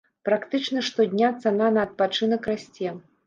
Практычна штодня цана на адпачынак расце.